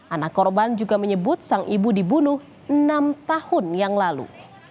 anak korban juga menyebut sang ibu dibunuh enam tahun yang lalu